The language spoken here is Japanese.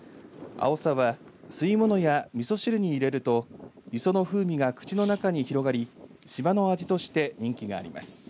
アオサは吸い物やみそ汁に入れると礒の風味が口の中に広がり島の味として人気があります。